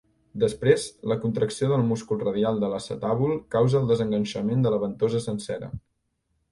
Després, la contracció del múscul radial de l'acetàbul causa el desenganxament de la ventosa sencera.